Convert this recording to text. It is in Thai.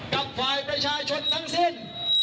กับฝ่ายประชาชนทั้งสิ้น